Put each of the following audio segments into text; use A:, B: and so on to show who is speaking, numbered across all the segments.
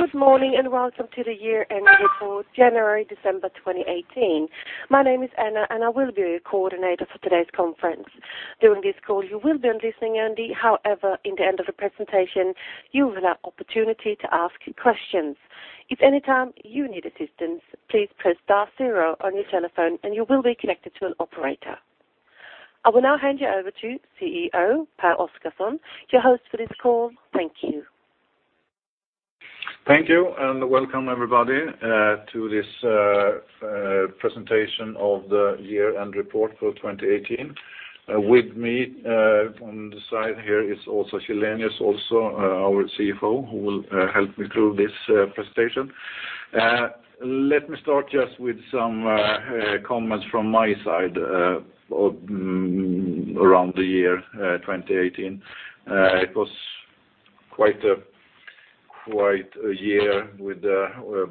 A: Good morning, welcome to the year-end report January, December 2018. My name is Anna, I will be your coordinator for today's conference. During this call, you will be on listening only. However, at the end of the presentation, you will have opportunity to ask questions. If at any time you need assistance, please press star zero on your telephone, you will be connected to an operator. I will now hand you over to CEO Pehr Oscarson, your host for this call. Thank you.
B: Thank you, welcome everybody to this presentation of the year-end report for 2018. With me on the side here is Åsa Söderberg, also our CFO, who will help me through this presentation. Let me start just with some comments from my side around the year 2018. It was quite a year with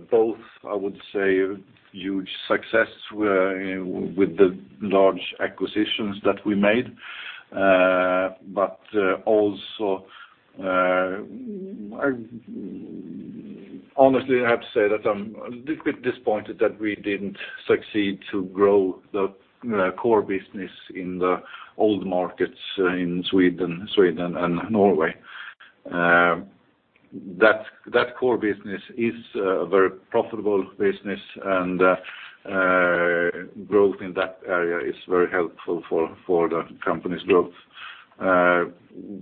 B: both, I would say, huge success with the large acquisitions that we made. Honestly, I have to say that I'm a little bit disappointed that we didn't succeed to grow the core business in the old markets in Sweden and Norway. That core business is a very profitable business, growth in that area is very helpful for the company's growth.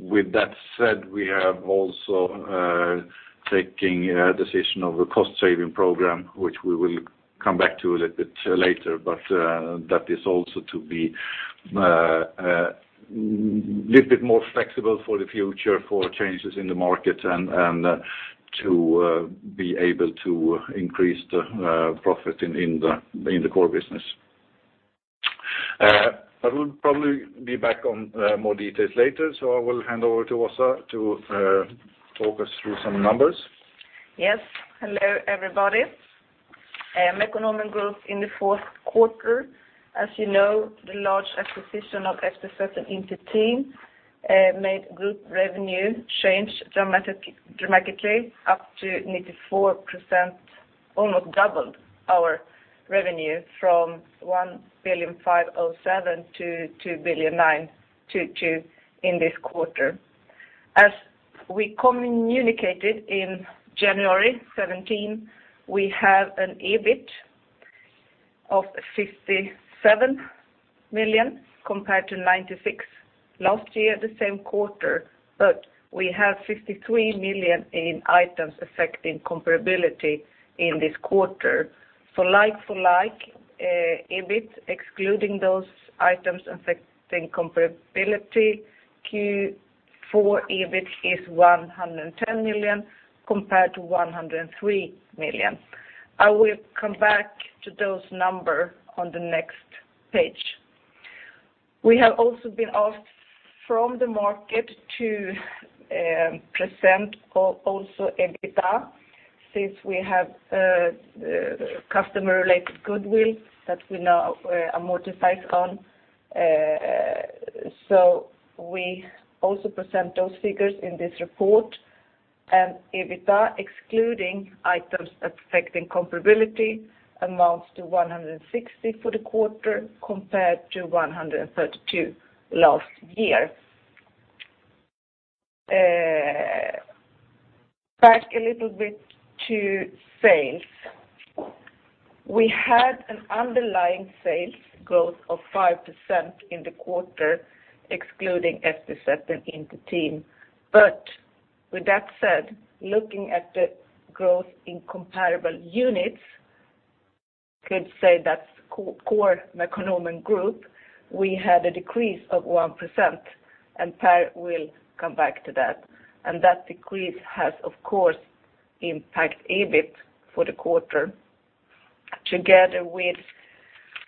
B: With that said, we have also taken a decision of a cost-saving program, which we will come back to a little bit later. That is also to be a little bit more flexible for the future for changes in the market and to be able to increase the profit in the core business. I will probably be back on more details later. I will hand over to Åsa to talk us through some numbers.
C: Yes. Hello, everybody. Mekonomen growth in the Q4. As you know, the large acquisition of FTZ & Inter-Team made group revenue change dramatically up to 94%, almost doubled our revenue from 1.507 billion to 2.922 billion in this quarter. As we communicated in January 2017, we have an EBIT of 57 million compared to 96 million last year, the same quarter, we have 53 million in items affecting comparability in this quarter. For like for like, EBIT excluding those items affecting comparability, Q4 EBIT is 110 million compared to 103 million. I will come back to those numbers on the next page. We have also been asked from the market to present also EBITDA, since we have customer-related goodwill that we now amortize on. We also present those figures in this report. EBITDA, excluding items affecting comparability, amounts to 160 million for the quarter compared to 132 million last year. Back a little bit to sales. We had an underlying sales growth of 5% in the quarter, excluding FTZ & Inter-Team. With that said, looking at the growth in comparable units, could say that is core Mekonomen Group, we had a decrease of 1%, and Pehr will come back to that. That decrease has, of course, impact EBIT for the quarter, together with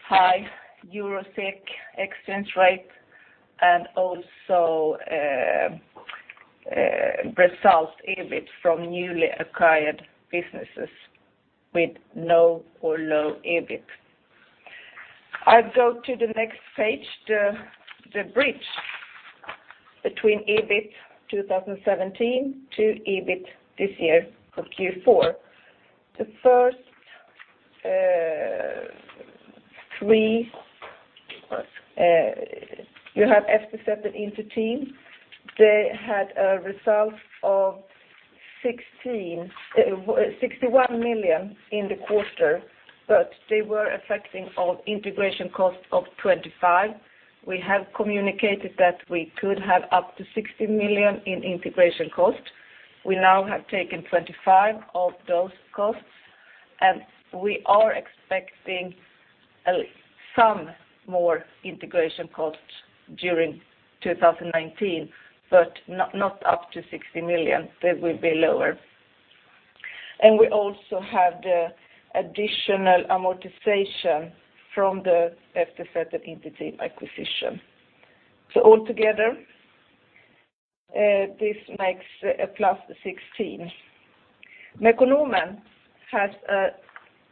C: high Euro-SEK exchange rate and also result EBIT from newly acquired businesses with no or low EBIT. I go to the next page, the bridge between EBIT 2017 to EBIT this year for Q4. The first three, you have FTZ & Inter-Team. They had a result of 61 million in the quarter, but they were affecting our integration cost of 25 million. We have communicated that we could have up to 60 million in integration cost. We now have taken 25 million of those costs, and we are expecting some more integration costs during 2019, but not up to 60 million. They will be lower. We also have the additional amortization from the FTZ & Inter-Team acquisition. Altogether, this makes a plus 16 million. Mekonomen has an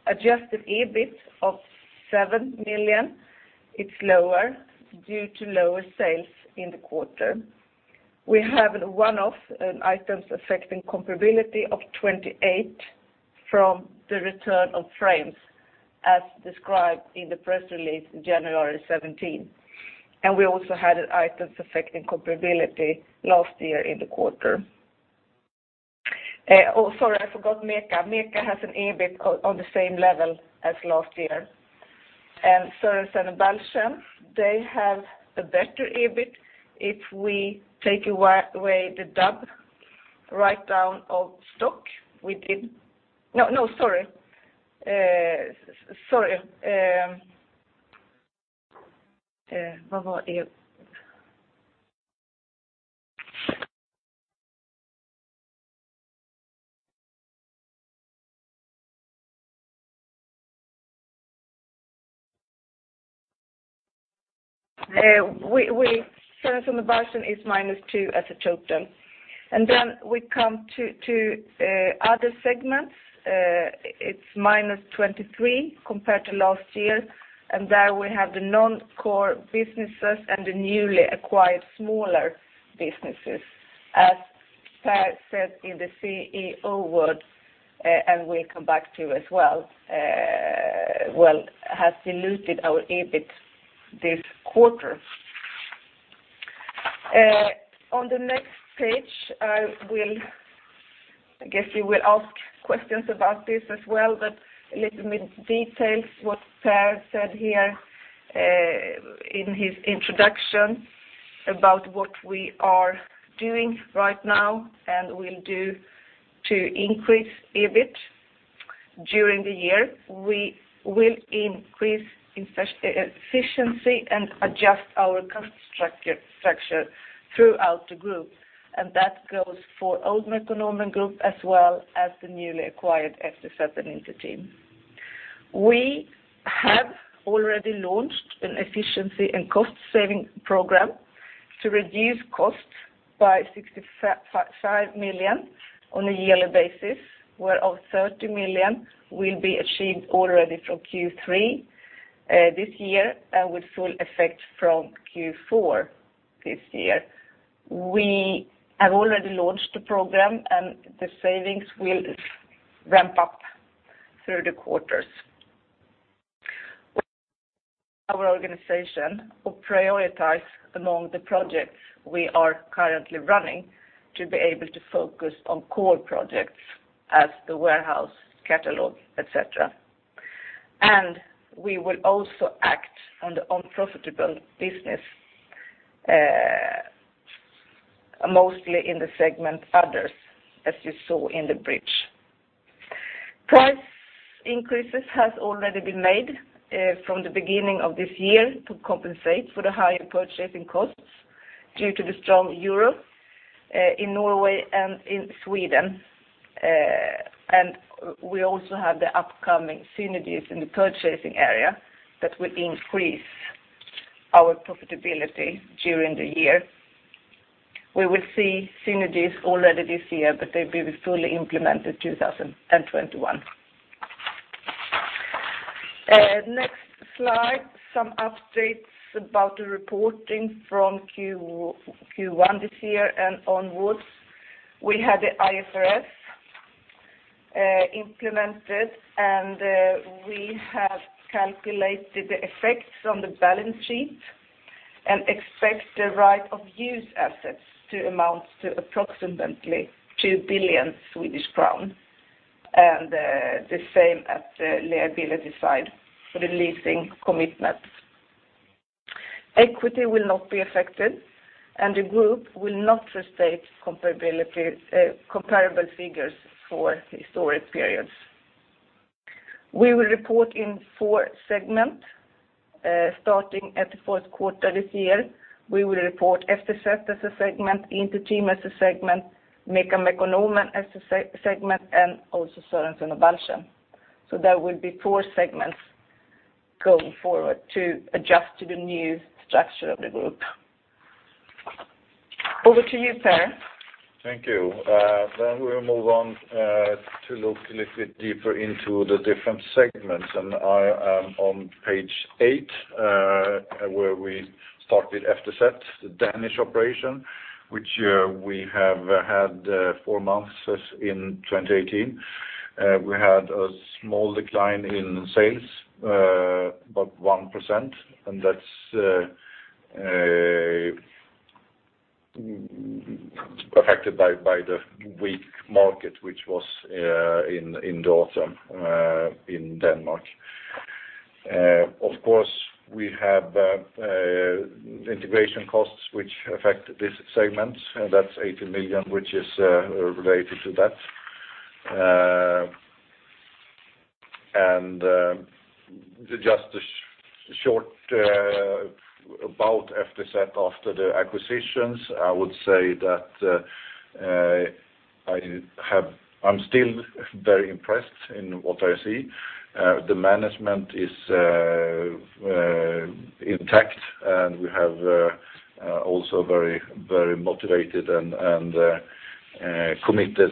C: adjusted EBIT of 7 million. It is lower due to lower sales in the quarter. We have one-off items affecting comparability of 28 million from the return of frames, as described in the press release January 17th. We also had items affecting comparability last year in the quarter. Sorry, I forgot MECA. MECA has an EBIT on the same level as last year. Sørensen & Balchen, they have a better EBIT if we take away the write-down of stock within. No, sorry. Sørensen & Balchen is minus 2 million as I told them. We come to other segments. It is minus 23 million compared to last year, and there we have the non-core businesses and the newly acquired smaller businesses, as Pehr said in the CEO word, and will come back to as well, has diluted our EBIT this quarter. On the next page, I guess you will ask questions about this as well, but a little bit details what Pehr said here in his introduction about what we are doing right now and will do to increase EBIT during the year. We will increase efficiency and adjust our cost structure throughout the group, and that goes for old Mekonomen Group as well as the newly acquired FTZ and Inter-Team. We have already launched an efficiency and cost-saving program to reduce costs by 65 million on a yearly basis, where 30 million will be achieved already from Q3 this year, with full effect from Q4 this year. We have already launched the program, and the savings will ramp up through the quarters. Our organization will prioritize among the projects we are currently running to be able to focus on core projects as the warehouse catalog, et cetera. We will also act on the unprofitable business, mostly in the segment others, as you saw in the bridge. Price increases have already been made from the beginning of this year to compensate for the higher purchasing costs due to the strong EUR in Norway and in Sweden. We also have the upcoming synergies in the purchasing area that will increase our profitability during the year. We will see synergies already this year, they will be fully implemented 2021. Next slide, some updates about the reporting from Q1 this year and onwards. We had the IFRS implemented, and we have calculated the effects on the balance sheet and expect the right of use assets to amount to approximately 2 billion Swedish crowns, and the same at the liability side for the leasing commitment. Equity will not be affected, and the group will not restate comparable figures for historic periods. We will report in four segments starting at the Q4 this year. We will report Eftersett as a segment, Inter-Team as a segment, MECA Mekonomen as a segment, and also Sørensen og Balchen. There will be four segments going forward to adjust to the new structure of the group. Over to you, Pehr.
B: Thank you. We'll move on to look a little bit deeper into the different segments, and I am on page eight, where we started FTZ, the Danish operation, which we have had four months in 2018. We had a small decline in sales, about 1%, and that's affected by the weak market, which was in the autumn in Denmark. Of course, we have integration costs which affect this segment. That's 80 million, which is related to that. Just a short about FTZ after the acquisitions, I would say that I'm still very impressed in what I see. The management is intact, and we have also very motivated and committed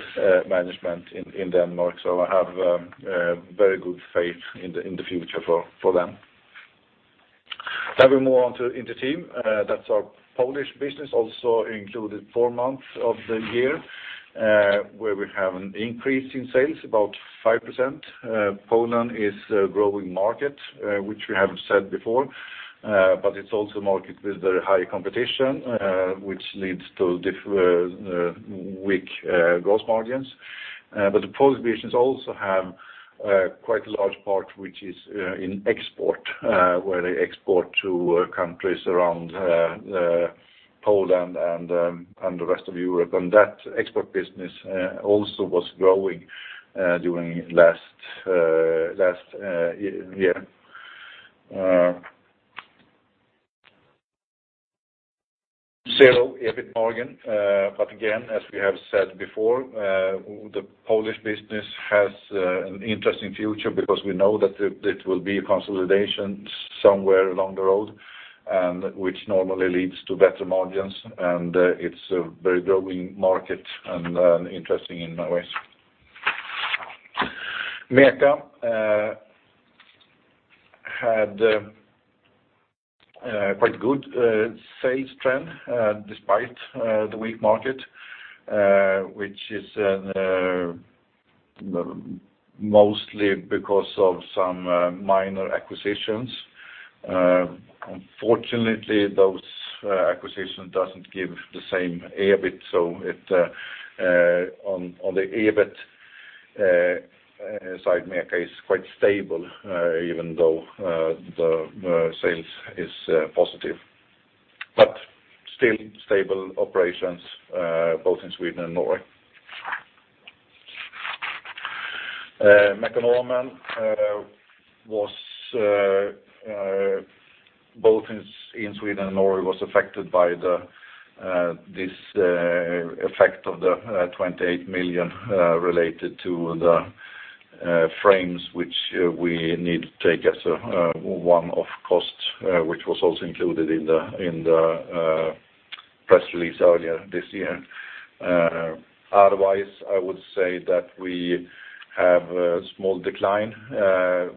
B: management in Denmark. I have very good faith in the future for them. We move on to Inter-Team. That's our Polish business, also included four months of the year, where we have an increase in sales about 5%. Poland is a growing market, which we have said before, it's also a market with very high competition, which leads to weak gross margins. The Polish business also have quite a large part, which is in export, where they export to countries around Poland and the rest of Europe. That export business also was growing during last year. Zero EBIT margin. Again, as we have said before, the Polish business has an interesting future because we know that it will be a consolidation somewhere along the road, which normally leads to better margins, and it's a very growing market and interesting in my ways. MECA had quite good sales trend despite the weak market, which is mostly because of some minor acquisitions. Unfortunately, those acquisitions don't give the same EBIT, so on the EBIT side, MECA is quite stable even though the sales is positive. Still stable operations, both in Sweden and Norway. Mekonomen, both in Sweden and Norway, was affected by this effect of 28 million related to the frames which we need to take as a one-off costs, which was also included in the press release earlier this year. Otherwise, I would say that we have a small decline.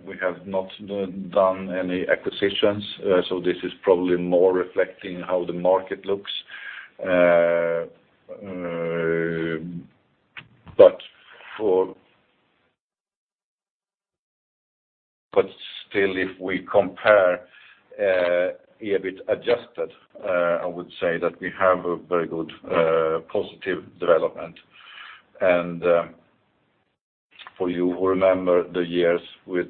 B: We have not done any acquisitions, this is probably more reflecting how the market looks. Still if we compare EBIT adjusted, I would say that we have a very good positive development. For you who remember the years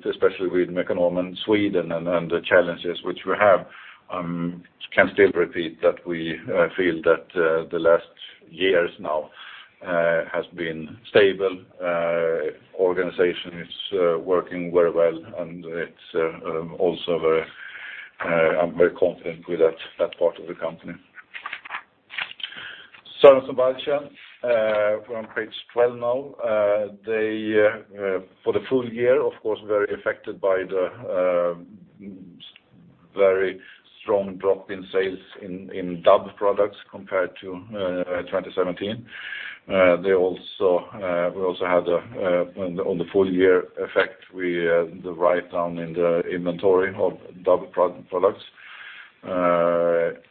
B: especially with Mekonomen Sweden and the challenges which we have, can still repeat that we feel that the last years now has been stable. Organization is working very well, and I'm very confident with that part of the company. Sørensen & Balchen, we're on page 12 now. For the full year, of course, very affected by the very strong drop in sales in DAB products compared to 2017. We also had on the full year effect, the write down in the inventory of DAB products. Besides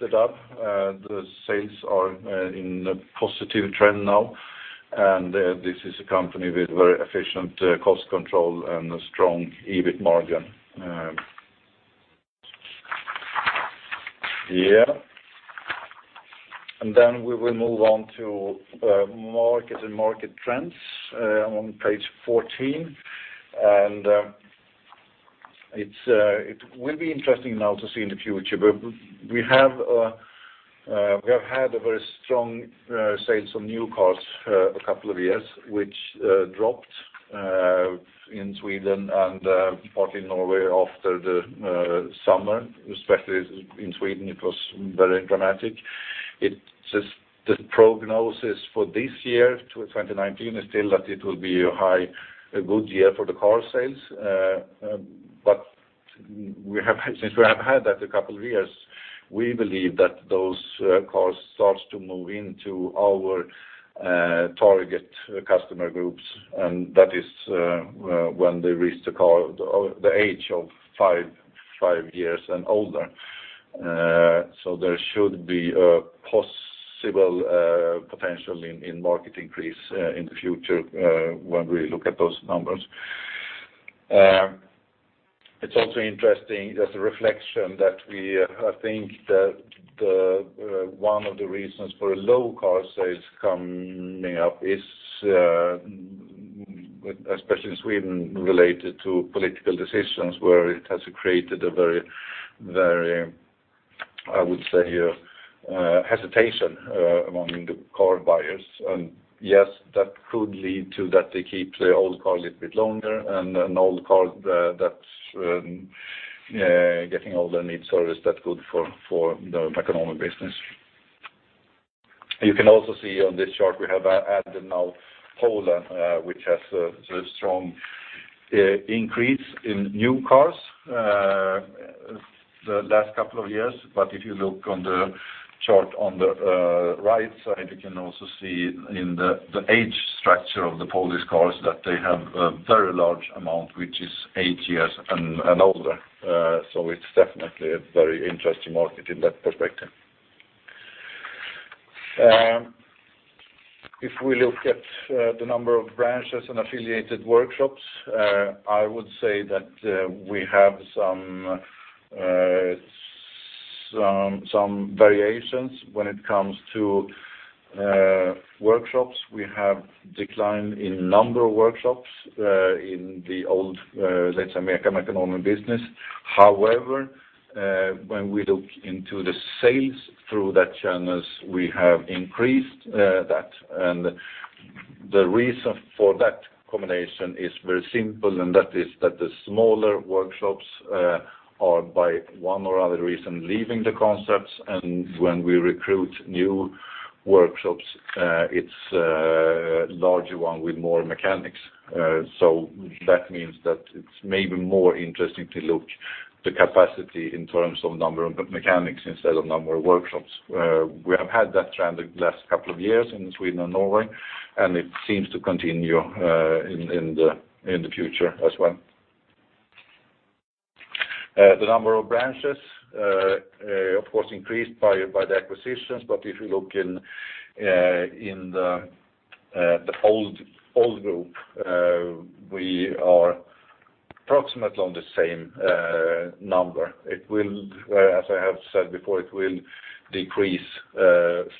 B: the DAB, the sales are in a positive trend now, this is a company with very efficient cost control and a strong EBIT margin. We will move on to market and market trends on page 14. It will be interesting now to see in the future, we have had a very strong sales on new cars a couple of years, which dropped in Sweden and partly Norway after the summer, especially in Sweden it was very dramatic. The prognosis for this year to 2019 is still that it will be a good year for the car sales. Since we have had that a couple of years, we believe that those cars starts to move into our target customer groups, and that is when they reach the age of five years and older. There should be a possible potential in market increase in the future, when we look at those numbers. It's also interesting as a reflection that I think that one of the reasons for a low car sales coming up is, especially in Sweden, related to political decisions where it has created a very, I would say here, hesitation among the car buyers. Yes, that could lead to that they keep the old car a little bit longer and an old car that's getting older needs service that's good for the economic business. You can also see on this chart we have added now Poland which has a strong increase in new cars the last couple of years. If you look on the chart on the right side, you can also see in the age structure of the Polish cars that they have a very large amount which is eight years and older. It's definitely a very interesting market in that perspective. If we look at the number of branches and affiliated workshops, I would say that we have some variations when it comes to workshops. We have decline in number of workshops in the old Mekonomen business. However, when we look into the sales through that channels, we have increased that. The reason for that combination is very simple, and that is that the smaller workshops are by one or other reason leaving the concepts. When we recruit new workshops, it's larger one with more mechanics. That means that it's maybe more interesting to look the capacity in terms of number of mechanics instead of number of workshops. We have had that trend the last couple of years in Sweden and Norway, and it seems to continue in the future as well. The number of branches, of course, increased by the acquisitions. If you look in the old group, we are approximately on the same number. As I have said before, it will decrease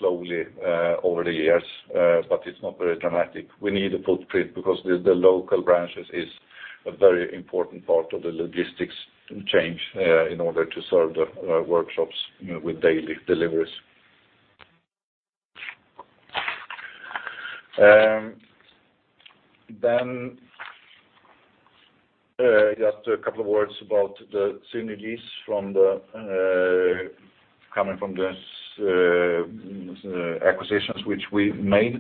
B: slowly over the years, it's not very dramatic. We need a footprint because the local branches is a very important part of the logistics change in order to serve the workshops with daily deliveries. Just a couple of words about the synergies coming from the acquisitions which we made.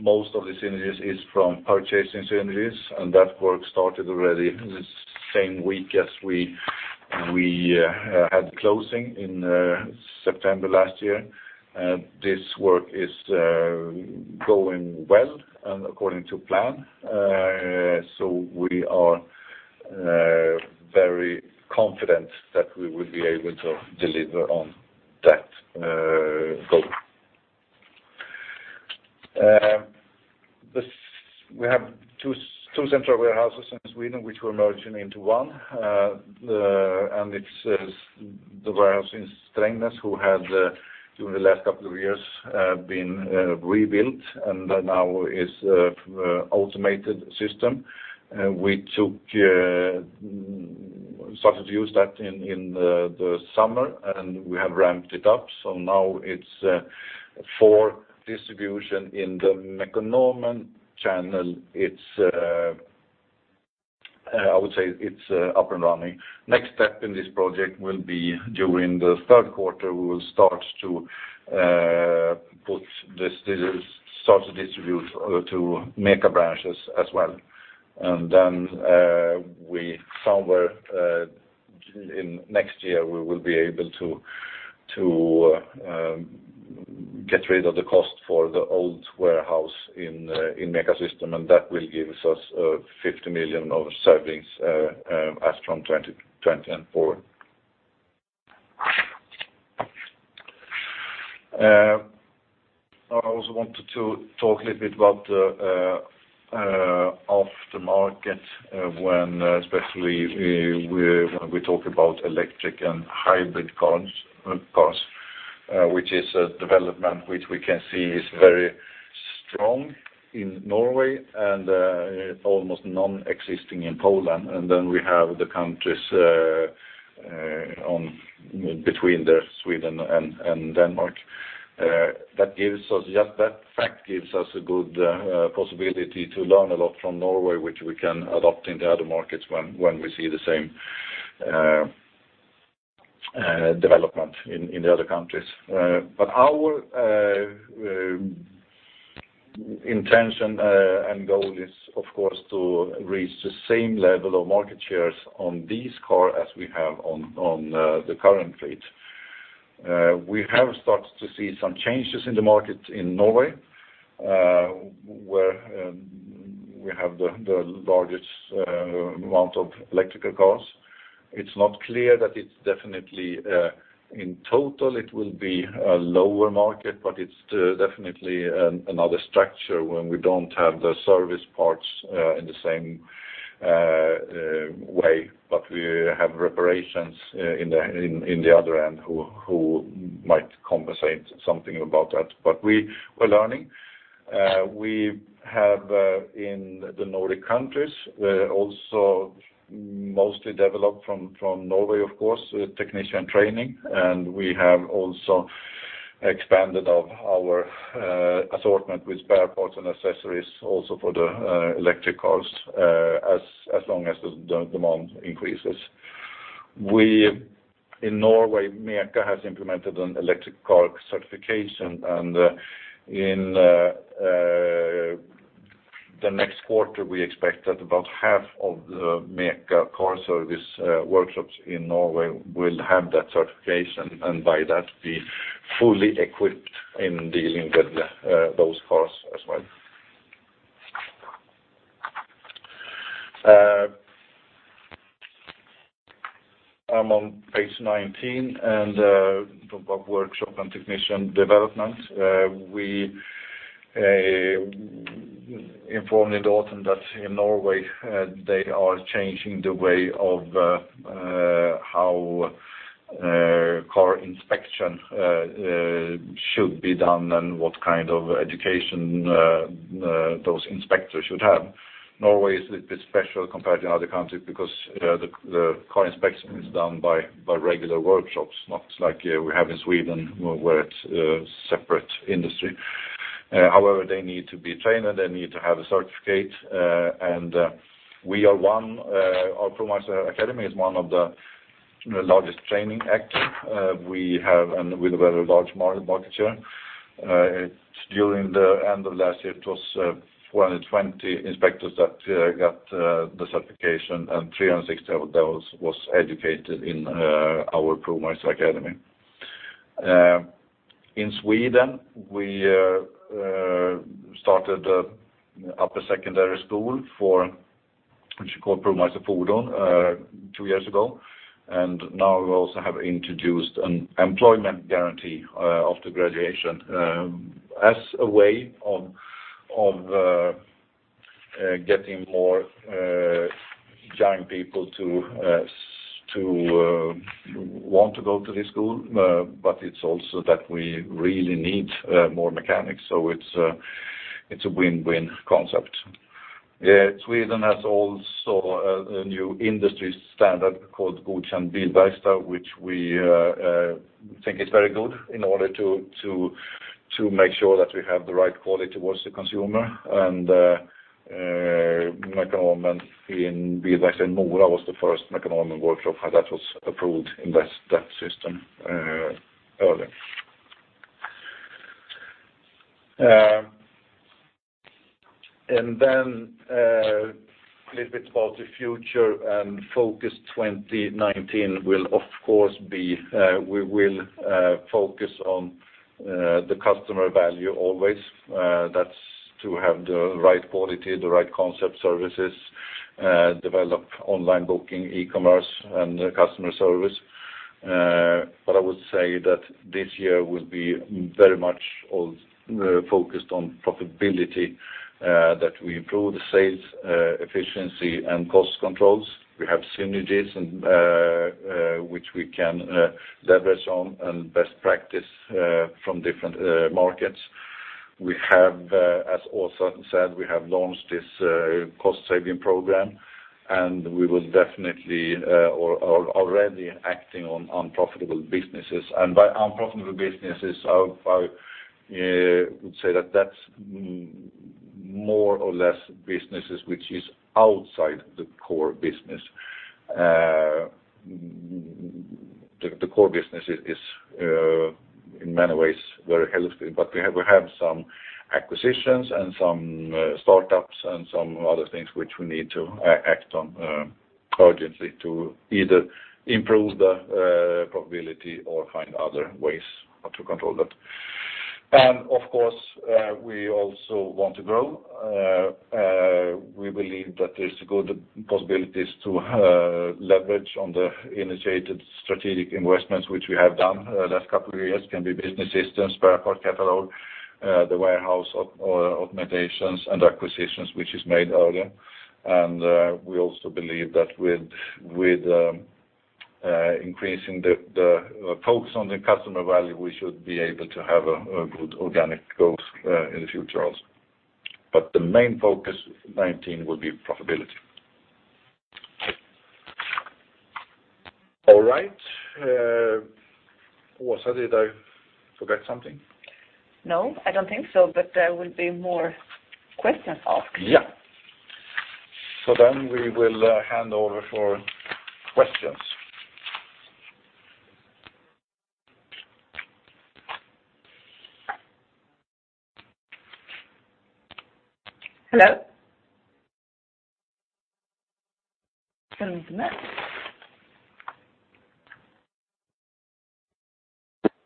B: Most of the synergies is from purchasing synergies, and that work started already the same week as we had closing in September last year. This work is going well and according to plan. We are very confident that we will be able to deliver on that goal. We have two central warehouses in Sweden which we're merging into one, and it's the warehouse in Strängnäs who had during the last couple of years been rebuilt and now is automated system. We started to use that in the summer and we have ramped it up. Now it's for distribution in the Mekonomen channel. I would say it's up and running. Next step in this project will be during the Q3, we will start to distribute to MECA branches as well. Somewhere in next year we will be able to get rid of the cost for the old warehouse in MECA system and that will give us 50 million of savings as from 2024. I also wanted to talk a little bit about the off the market when especially when we talk about electric and hybrid cars which is a development which we can see is very strong in Norway and almost non-existing in Poland. We have the countries between Sweden and Denmark. Just that fact gives us a good possibility to learn a lot from Norway which we can adopt in the other markets when we see the same development in the other countries. Our intention and goal is of course to reach the same level of market shares on these car as we have on the current fleet. We have started to see some changes in the market in Norway where we have the largest amount of electric cars. It's not clear that it's definitely in total it will be a lower market, but it's definitely another structure when we don't have the service parts in the same way. We have reparations in the other end who might compensate something about that. We're learning. We have in the Nordic countries also mostly developed from Norway, of course, technician training, and we have also expanded our assortment with spare parts and accessories also for the electric cars as long as the demand increases. In Norway, MECA has implemented an electric car certification. In the next quarter, we expect that about half of the MECA car service workshops in Norway will have that certification, and by that, be fully equipped in dealing with those cars as well. I'm on page 19, and talk about workshop and technician development. We informed in the autumn that in Norway they are changing the way of how car inspection should be done and what kind of education those inspectors should have. Norway is a bit special compared to other countries because the car inspection is done by regular workshops, not like we have in Sweden, where it's a separate industry. However, they need to be trained, and they need to have a certificate. Our ProMeister Academy is one of the largest training acts we have, and with a very large market share. During the end of last year, it was 420 inspectors that got the certification, and 360 of those was educated in our ProMeister Academy. In Sweden, we started upper secondary school, which is called ProMeister Fordon, two years ago. Now we also have introduced an employment guarantee after graduation, as a way of getting more young people to want to go to this school. It's also that we really need more mechanics, so it's a win-win concept. Sweden has also a new industry standard called Godkänd Bilverkstad, which we think is very good in order to make sure that we have the right quality towards the consumer. Mekonomen in Bilverkstad Mora was the first Mekonomen workshop that was approved in that system earlier. A little bit about the future and focus 2019. We will focus on the customer value always. That's to have the right quality, the right concept services, develop online booking, e-commerce, and customer service. I would say that this year will be very much focused on profitability, that we improve the sales efficiency and cost controls. We have synergies which we can leverage on and best practice from different markets. As Åsa said, we have launched this cost-saving program, we will definitely or are already acting on unprofitable businesses. By unprofitable businesses, I would say that that's more or less businesses which is outside the core business. The core business is in many ways very healthy, but we have some acquisitions and some startups and some other things which we need to act on urgently to either improve the profitability or find other ways to control that. Of course, we also want to grow. We believe that there's good possibilities to leverage on the initiated strategic investments which we have done the last couple of years. Can be business systems, spare part catalog, the warehouse augmentations, and acquisitions which is made earlier. We also believe that with increasing the focus on the customer value, we should be able to have a good organic growth in the future also. The main focus for 2019 will be profitability. All right. Åsa, did I forget something?
C: No, I don't think so. There will be more questions asked.
B: Yeah. We will hand over for questions.
A: Hello? Can you hear me now?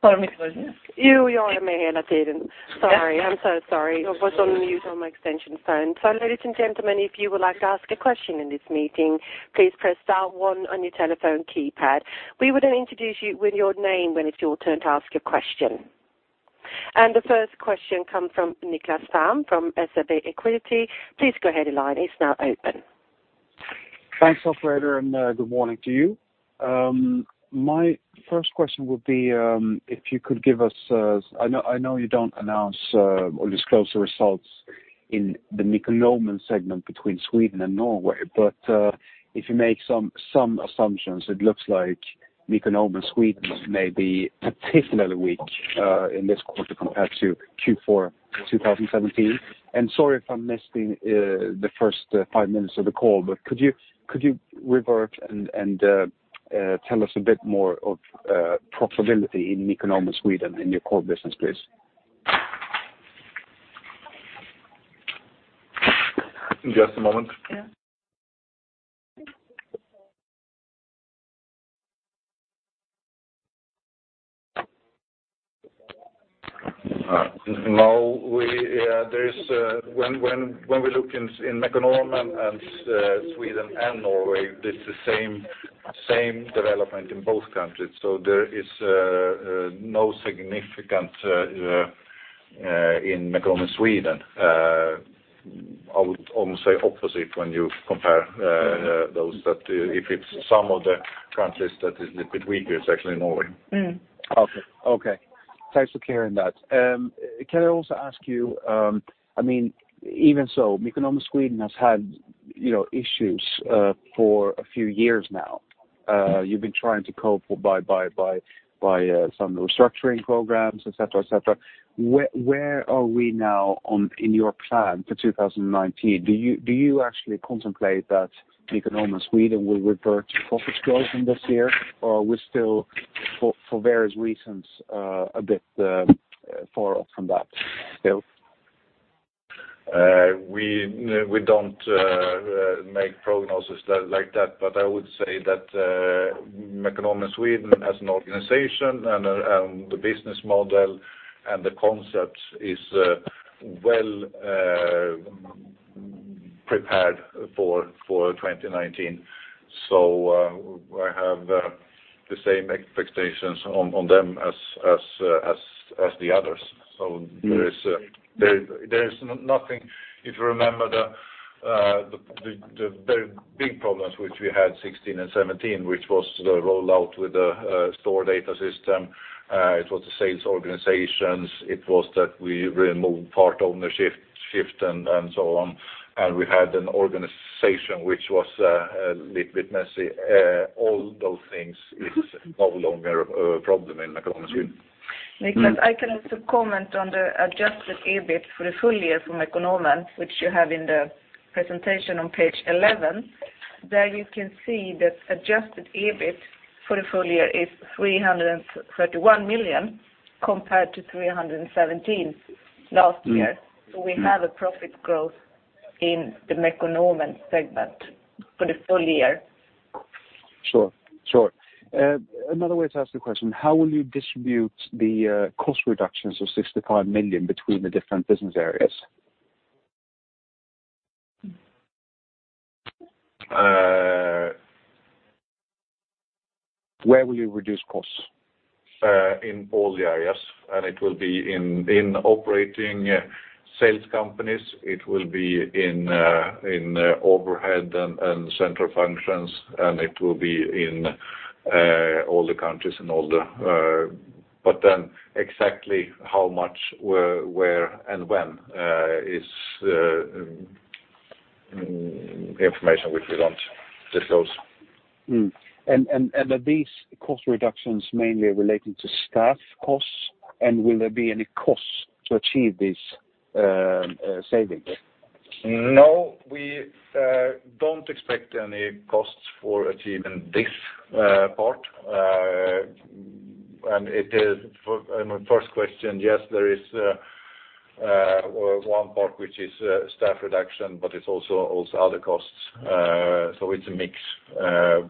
A: Sorry, I'm so sorry. I was on mute on my extension phone. Ladies and gentlemen, if you would like to ask a question in this meeting, please press star one on your telephone keypad. We will introduce you with your name when it's your turn to ask a question. The first question come from Niklas Tamm from SEB Equities. Please go ahead, your line is now open.
D: Thanks, operator. Good morning to you. My first question would be if you could give us I know you don't announce or disclose the results in the Mekonomen segment between Sweden and Norway, but if you make some assumptions, it looks like Mekonomen Sweden may be particularly weak in this quarter compared to Q4 2017. Sorry if I'm missing the first five minutes of the call, but could you revert and tell us a bit more of profitability in Mekonomen Sweden in your core business, please?
B: Just a moment.
C: Yeah.
B: When we look in Mekonomen and Sweden and Norway, it's the same development in both countries. There is no significant in Mekonomen Sweden. I would almost say opposite when you compare those, that if it's some of the countries that is a bit weaker, it's actually Norway.
D: Okay. Thanks for clearing that. Can I also ask you, even so, Mekonomen Sweden has had issues for a few years now. You've been trying to cope by some restructuring programs, et cetera. Where are we now in your plan for 2019? Do you actually contemplate that Mekonomen Sweden will revert to profit growth in this year? Are we still, for various reasons, a bit far off from that still?
B: We don't make prognosis like that, but I would say that Mekonomen Sweden as an organization and the business model and the concept is well prepared for 2019. I have the same expectations on them as the others. There is nothing, if you remember the very big problems which we had 2016 and 2017, which was the rollout with the store ERP system. It was the sales organizations, it was that we removed part ownership and so on, and we had an organization which was a little bit messy. All those things is no longer a problem in Mekonomen Sweden.
C: Niklas, I can also comment on the adjusted EBIT for the full year from Mekonomen, which you have in the presentation on page 11. There you can see that adjusted EBIT for the full year is 331 million compared to 317 last year. We have a profit growth in the Mekonomen segment for the full year.
D: Sure. Another way to ask the question, how will you distribute the cost reductions of 65 million between the different business areas? Where will you reduce costs?
B: In all the areas, and it will be in operating sales companies, it will be in overhead and central functions, and it will be in all the countries. Exactly how much, where, and when, is information which we don't disclose.
D: Are these cost reductions mainly relating to staff costs, and will there be any costs to achieve these savings?
B: No, we don't expect any costs for achieving this part. My first question, yes, there is one part which is staff reduction, but it's also other costs. It's a mix,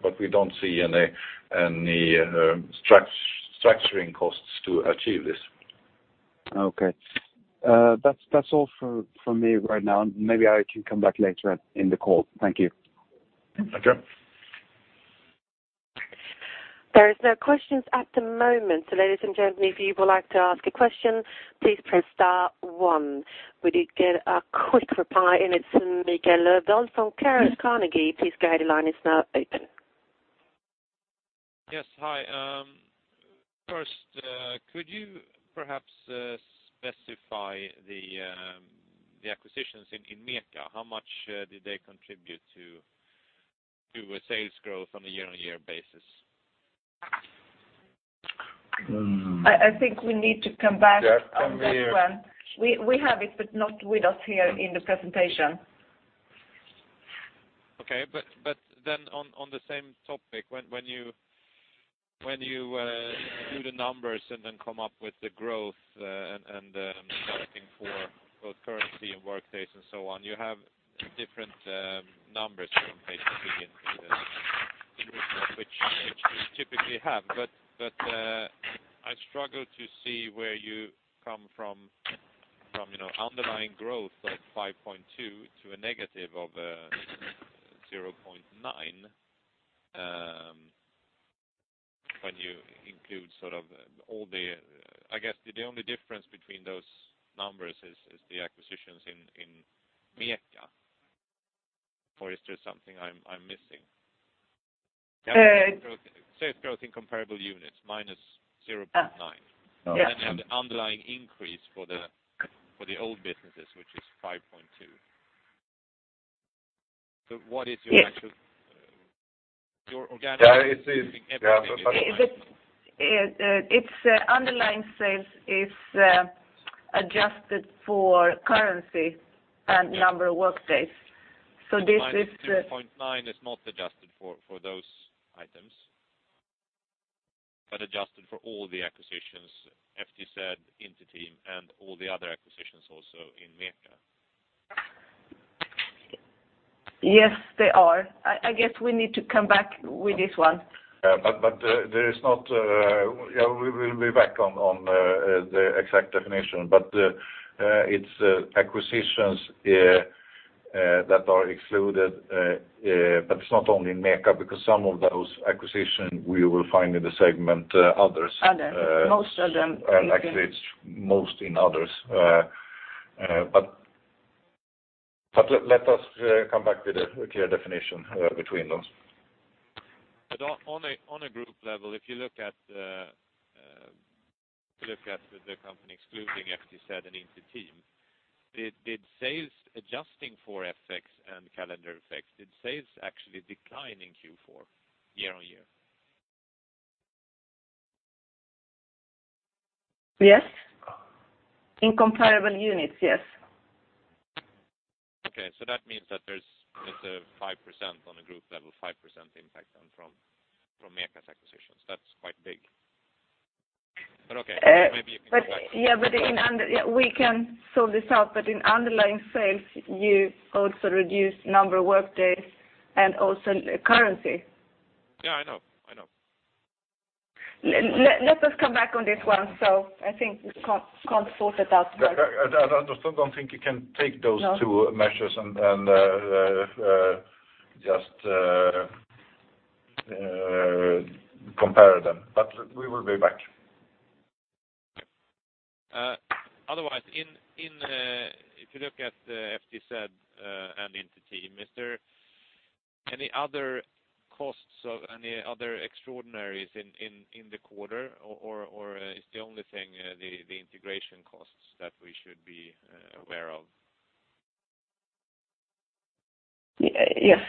B: but we don't see any structuring costs to achieve this.
D: Okay. That's all for me right now, and maybe I can come back later in the call. Thank you.
B: Okay.
A: There is no questions at the moment. Ladies and gentlemen, if you would like to ask a question, please press star one. We did get a quick reply. It's Mikael Ödén from Carnegie. Please go ahead, your line is now open.
E: Yes, hi. First, could you perhaps specify the acquisitions in MECA? How much did they contribute to sales growth on a year-on-year basis?
C: I think we need to come back on that one. We have it, but not with us here in the presentation.
E: On the same topic, when you do the numbers and then come up with the growth and adjusting for both currency and Workday and so on, you have different numbers from page three into the which you typically have. I struggle to see where you come from underlying growth of 5.2% to a negative of 0.9%, when you include all the I guess the only difference between those numbers is the acquisitions in MECA or is there something I'm missing? Sales growth in comparable units, -0.9%.
C: Yes.
E: The underlying increase for the old businesses, which is 5.2%. So what is your actual?
C: Yes.
E: Your organic.
C: Its underlying sales is adjusted for currency and number of workdays. This is.
E: 0.9 is not adjusted for those items, but adjusted for all the acquisitions, FTZ, Inter-Team, and all the other acquisitions also in MEKO.
C: Yes, they are. I guess we need to come back with this one.
B: We will be back on the exact definition, but it's acquisitions that are excluded, but it's not only in MEKO, because some of those acquisition we will find in the segment others.
C: Others. Most of them.
B: it's most in others. Let us come back with a clear definition between those.
E: On a group level, if you look at the company excluding FTZ and Inter-Team, did sales, adjusting for FX and calendar effects, did sales actually decline in Q4 year-on-year?
C: Yes. In comparable units, yes.
E: Okay. That means that there's a 5% on a group level, 5% impact then from MEKO's acquisitions. That's quite big. Okay.
C: We can sort this out, but in underlying sales, you also reduce number of workdays and also currency.
E: Yeah, I know.
C: Let us come back on this one. I think we can't sort it out.
B: I still don't think you can take those two measures and just compare them. We will be back.
E: Okay. If you look at FTZ and Inter-Team, is there any other costs or any other extraordinaries in the quarter, or is the only thing the integration costs that we should be aware of?
C: Yes.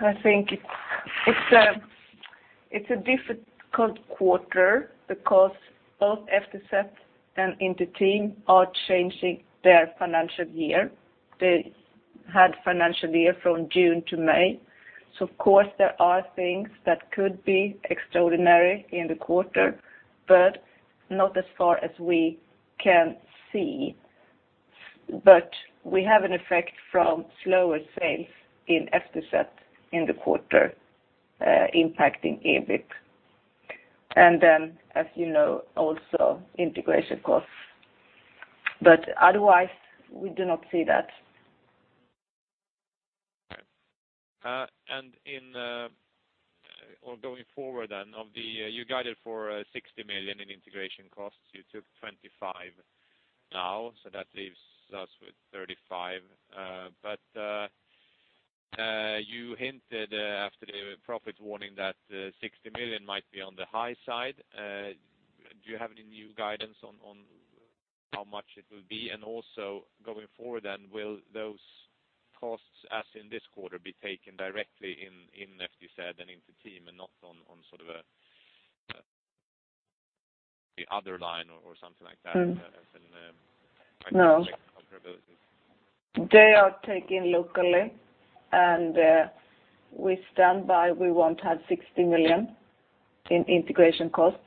C: I think it's a difficult quarter because both FTZ and Inter-Team are changing their financial year. They had financial year from June to May. Of course, there are things that could be extraordinary in the quarter, but not as far as we can see. We have an effect from slower sales in FTZ in the quarter, impacting EBIT. Then, as you know, also integration costs. Otherwise, we do not see that.
E: All right. Going forward, you guided for 60 million in integration costs. You took 25 now, that leaves us with 35. You hinted after the profit warning that 60 million might be on the high side. Do you have any new guidance on how much it will be? Also going forward, will those costs, as in this quarter, be taken directly in FTZ and Inter-Team and not on the other line or something like that as in comparabilities?
C: No. They are taken locally, we stand by we won't have 60 million in integration costs.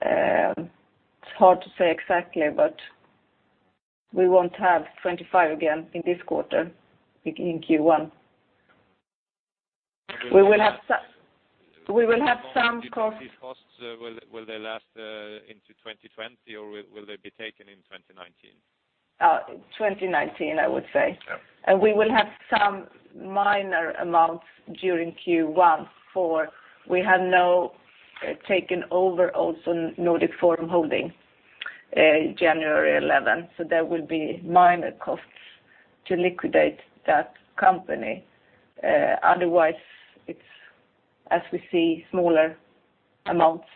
C: It's hard to say exactly, we won't have 25 again in this quarter, in Q1. We will have some cost-
E: These costs, will they last into 2020, or will they be taken in 2019?
C: 2019, I would say.
E: Yeah.
C: We will have some minor amounts during Q1, for we have now taken over also Nordic Forum Holding January 11th, so there will be minor costs to liquidate that company. Otherwise, it's as we see, smaller amounts.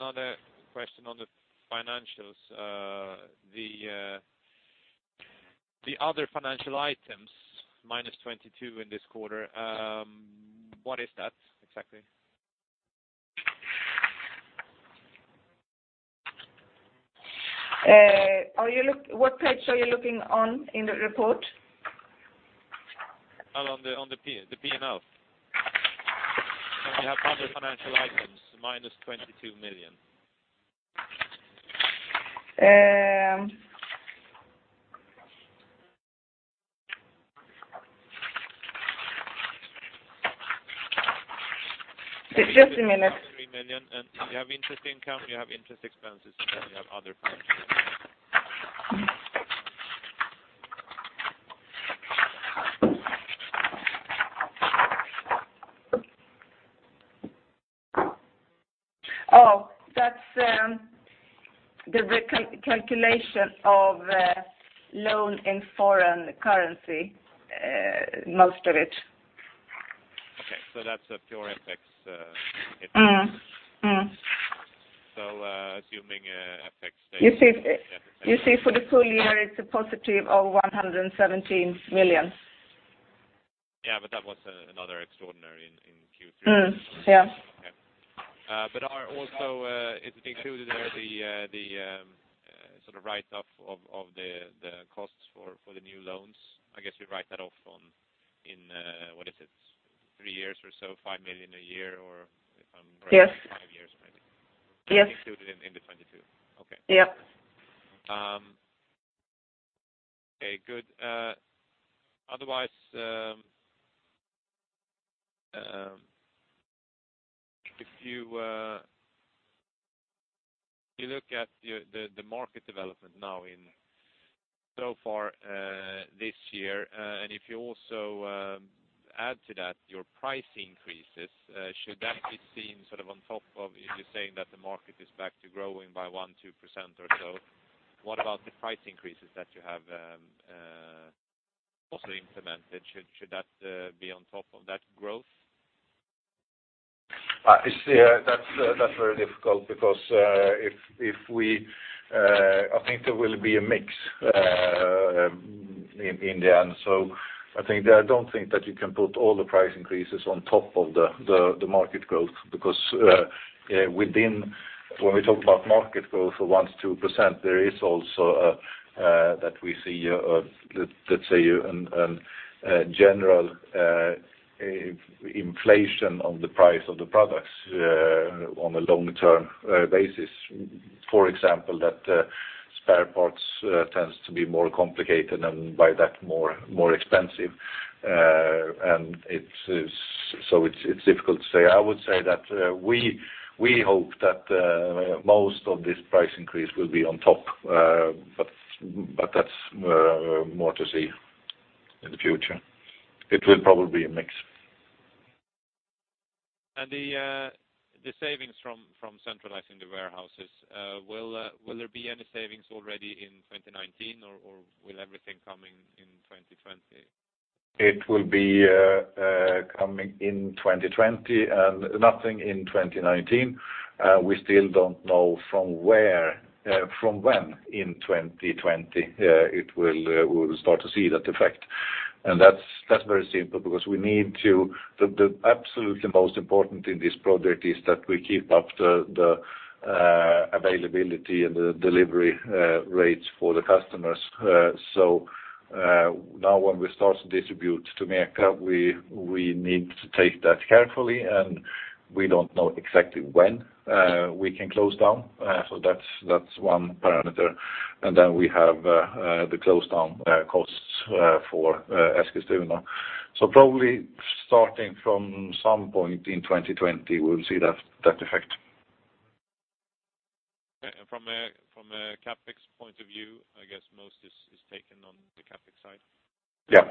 E: Another question on the financials. The other financial items, minus 22 in this quarter, what is that exactly?
C: What page are you looking on in the report?
E: On the P&L. You have other financial items, minus 22 million.
C: Just a minute.
E: Minus SEK 23 million, you have interest income, you have interest expenses, you have other financial.
C: Oh, that's the recalculation of loan in foreign currency, most of it.
E: That's a pure FX hit? Assuming FX stays.
C: You see for the full year, it's a positive of 117 million.
E: Yeah, that was another extraordinary in Q3.
C: Yeah.
E: Okay. It included there the write-off of the costs for the new loans. I guess we write that off in, what is it, three years or so, 5 million a year or if I'm correct-
C: Yes
E: five years maybe.
C: Yes.
E: Included in the 22? Okay.
C: Yep.
E: Okay, good. Otherwise, if you look at the market development now in so far this year, if you also add to that your price increases, should that be seen on top of, if you're saying that the market is back to growing by 1%, 2% or so, what about the price increases that you have also implemented? Should that be on top of that growth?
B: That's very difficult because I think there will be a mix in the end. I don't think that you can put all the price increases on top of the market growth because when we talk about market growth of 1%-2%, there is also that we see, let's say, a general inflation on the price of the products on a long-term basis. For example, that spare parts tends to be more complicated and by that more expensive. It's difficult to say. I would say that we hope that most of this price increase will be on top. That's more to see in the future. It will probably be a mix.
E: The savings from centralizing the warehouses, will there be any savings already in 2019 or will everything come in 2020?
B: It will be coming in 2020 and nothing in 2019. We still don't know from when in 2020 we'll start to see that effect. That's very simple because the absolutely most important in this project is that we keep up the availability and the delivery rates for the customers. Now when we start to distribute to MECA, we need to take that carefully, and we don't know exactly when we can close down. That's one parameter. We have the closed down costs for Eskilstuna. Probably starting from some point in 2020, we'll see that effect.
E: Okay. From a CapEx point of view, I guess most is taken on the CapEx side.
B: Yeah.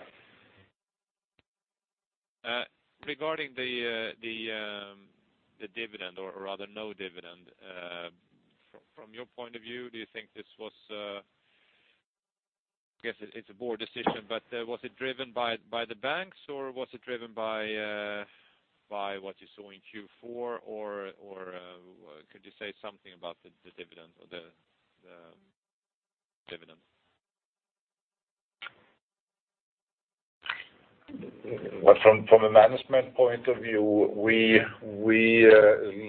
E: Regarding the dividend or rather no dividend, from your point of view, I guess it's a board decision. Was it driven by the banks or was it driven by what you saw in Q4? Could you say something about the dividend?
B: From a management point of view, we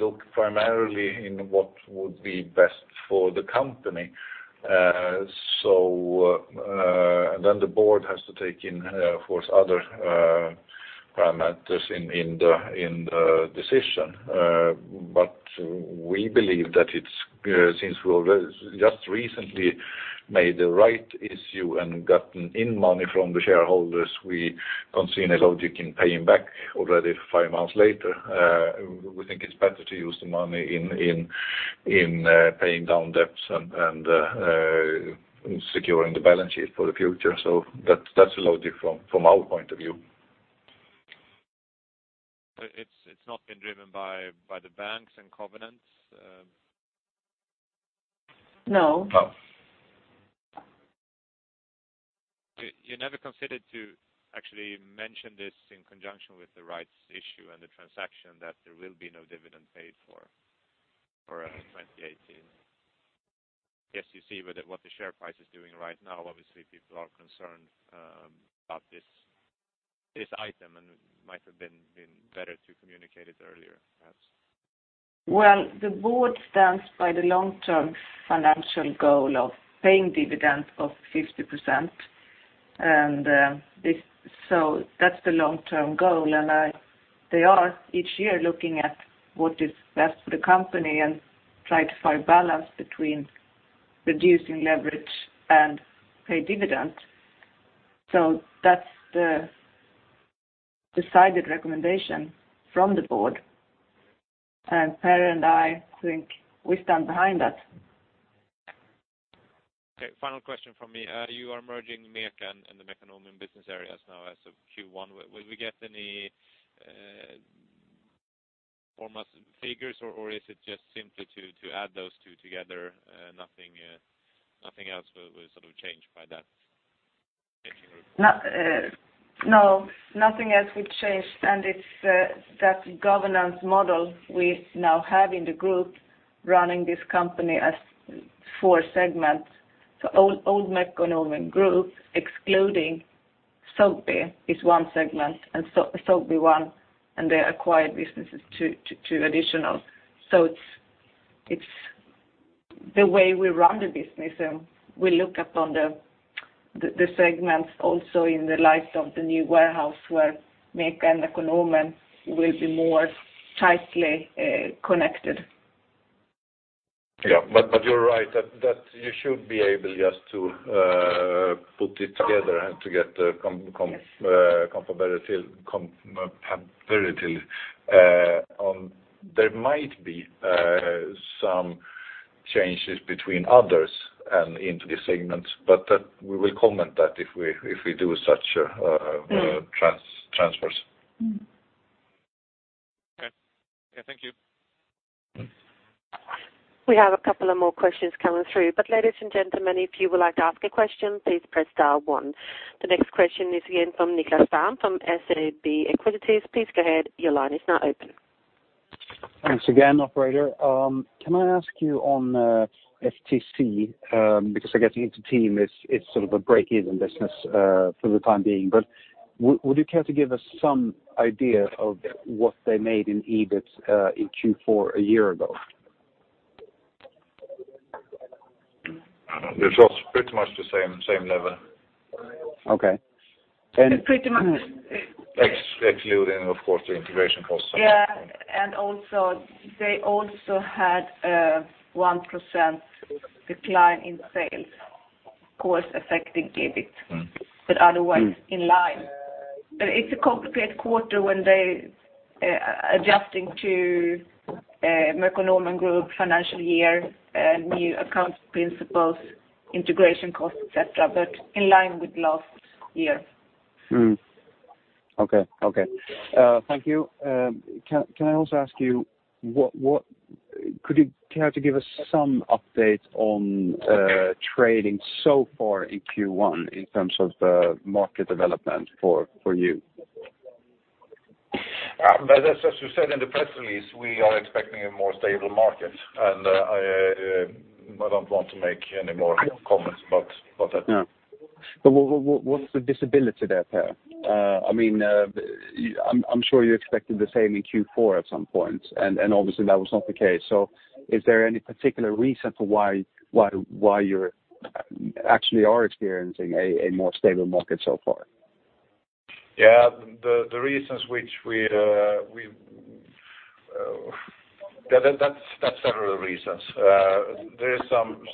B: look primarily in what would be best for the company. The board has to take in, of course, other parameters in the decision. We believe that since we just recently made the rights issue and gotten in money from the shareholders, we don't see any logic in paying back already five months later. We think it's better to use the money in paying down debts and securing the balance sheet for the future. That's the logic from our point of view.
E: It's not been driven by the banks and covenants?
C: No.
B: No.
E: You never considered to actually mention this in conjunction with the rights issue and the transaction that there will be no dividend paid for 2018. I guess you see with what the share price is doing right now, obviously people are concerned about this item and might have been better to communicate it earlier, perhaps.
C: Well, the board stands by the long-term financial goal of paying dividend of 50%. That's the long-term goal. They are each year looking at what is best for the company and try to find balance between reducing leverage and pay dividend. That's the decided recommendation from the board, and Pehr and I think we stand behind that.
E: Okay, final question from me. You are merging MECA and the Mekonomen business areas now as of Q1. Will we get any detail- figures or is it just simply to add those two together? Nothing else will change by that?
C: Nothing else will change, and it's that governance model we now have in the group running this company as four segments. Old MEKO-Norden Group, excluding Sobi, is one segment, and Sobi one, and the acquired business is two additional. It's the way we run the business, and we look upon the segments also in the light of the new warehouse where MEKO and the Knorr-Bremse will be more tightly connected.
B: Yeah, you're right that you should be able just to put it together and to get the comparability. There might be some changes between others and into the segments, we will comment that if we do such transfers.
E: Okay. Thank you.
A: We have a couple of more questions coming through, ladies and gentlemen, if you would like to ask a question, please press star one. The next question is again from Niklas Tamm from SEB Equities. Please go ahead. Your line is now open.
D: Thanks again, operator. Can I ask you on FTZ, because I guess Inter-Team is sort of a break-even business for the time being, but would you care to give us some idea of what they made in EBIT in Q4 a year ago?
B: It was pretty much the same level.
D: Okay.
C: It's pretty much
B: Excluding, of course, the integration costs.
C: Yeah, they also had a 1% decline in sales, of course, affecting EBIT. Otherwise, in line. It's a complicated quarter when they are adjusting to a MEKO-Norden Group financial year, new accounting principles, integration costs, et cetera. In line with last year.
D: Okay. Thank you. Can I also ask you, could you care to give us some update on trading so far in Q1 in terms of the market development for you?
B: As we said in the press release, we are expecting a more stable market, and I don't want to make any more comments about that.
D: Yeah. What's the visibility there, Pehr? I'm sure you expected the same in Q4 at some point, obviously, that was not the case. Is there any particular reason for why you actually are experiencing a more stable market so far?
B: Mm-hmm. Yeah, there's several reasons. There are some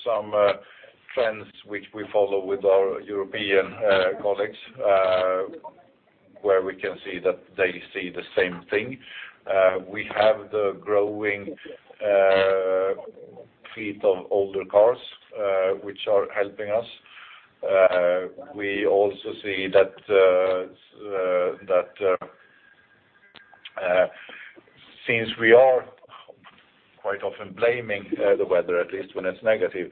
B: trends which we follow with our European colleagues, where we can see that they see the same thing. We have the growing fleet of older cars, which are helping us. We also see that since we are quite often blaming the weather, at least when it's negative,